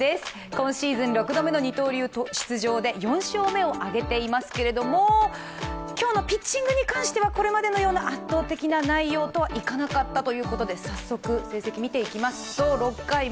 今シーズン６度目の二刀流出場で４勝目を挙げていますけれども今日のピッチングに関してはこれまでのような圧倒的な内容とはいかなかったということで早速、成績を見ていきます。